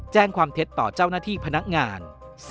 แจ้งความเท็จต่อเจ้าหน้าที่พนักงาน